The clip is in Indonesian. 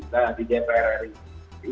nah di dpr ri